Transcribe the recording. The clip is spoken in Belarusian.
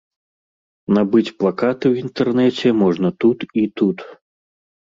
Набыць плакаты ў інтэрнэце можна тут і тут.